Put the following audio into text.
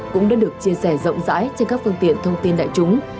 cũng đã được chia sẻ rộng rãi trên các phương tiện thông tin đại chúng